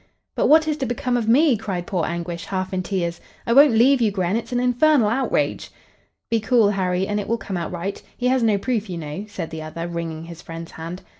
"But what is to become of me?" cried poor Anguish, half in tears. "I won't leave you, Gren. It's an infernal outrage!" "Be cool, Harry, and it will come out right. He has no proof, you know," said the other, wringing his friend's hand.